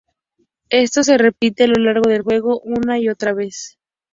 Esto se repite a lo largo del juego una y otra vez.